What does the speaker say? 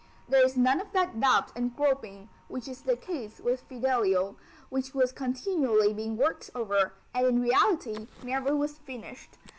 There is none of that doubt and groping which is the case with Fidelio, which was continually being worked over, and in reality, never was finished.